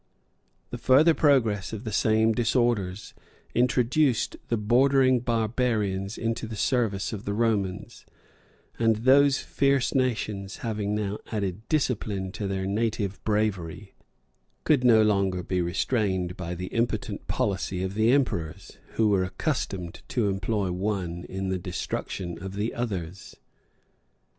The further progress of the same disorders introduced the bordering barbarians into the service of the Romans; and those fierce nations, having now added discipline to their native bravery, could no longer be restrained by the impotent policy of the emperors, who were accustomed to employ one in the destruction of the others.